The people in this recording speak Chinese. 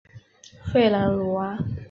弗朗努瓦。